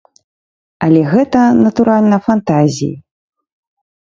Але гэта, натуральна, фантазіі.